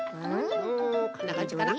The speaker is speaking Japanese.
うんこんなかんじかな？